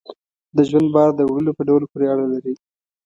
د ژوند بار د وړلو په ډول پورې اړه لري.